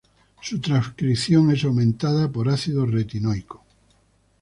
Su transcripción es aumentada por ácido retinoico.